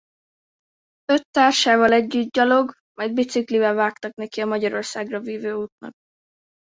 Öt társával együtt gyalog majd biciklivel vágtak neki a Magyarországra vivő útnak.